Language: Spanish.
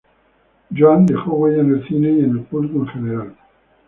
Joan dejó huella en el cine y en el público en general.